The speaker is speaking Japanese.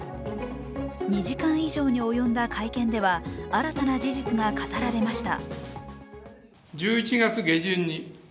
２時間以上に及んだ会見では新たな事実が語られました。